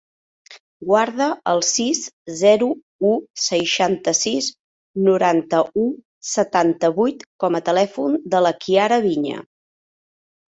Guarda el sis, zero, u, seixanta-sis, noranta-u, setanta-vuit com a telèfon de la Kiara Viña.